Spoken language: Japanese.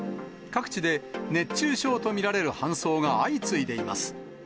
各地で熱中症と見られる搬送が相次いでいます。